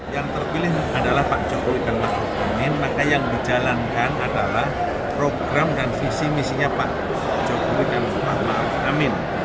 yang terpilih adalah pak jokowi dan pak rukunin maka yang dijalankan adalah program dan visi misinya pak jokowi dan pak rukunin